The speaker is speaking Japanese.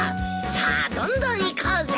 さあどんどんいこうぜ！